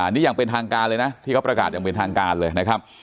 นี่อย่างเป็นทางการเลยนะที่เขาประกาศอย่างเป็นทางการเลยนะครับ